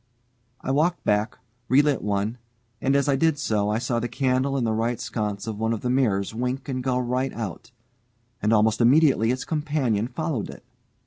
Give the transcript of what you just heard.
I walked back, relit one, and as I did so, I saw the candle in the right sconce of one of the mirrors wink and go right out, and almost immediately its companion followed it.